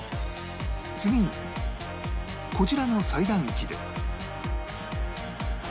次にこちらの裁断機で